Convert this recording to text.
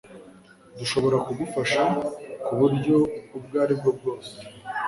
dushobora kugufasha muburyo ubwo aribwo bwose